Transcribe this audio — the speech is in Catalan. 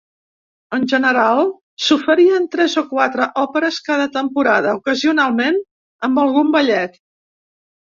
En general, s'oferien tres o quatre òperes cada temporada, ocasionalment amb algun ballet.